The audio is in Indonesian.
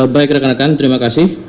baik rekan rekan terima kasih